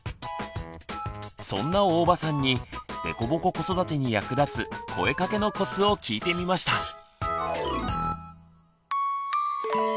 そんな大場さんに凸凹子育てに役立つ「声かけのコツ」を聞いてみました。